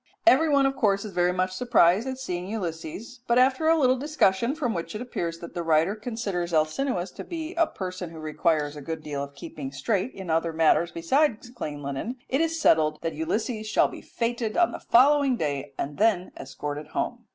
Every one, of course, is very much surprised at seeing Ulysses, but after a little discussion, from which it appears that the writer considers Alcinous to be a person who requires a good deal of keeping straight in other matters besides clean linen, it is settled that Ulysses shall be feted on the following day and then escorted home.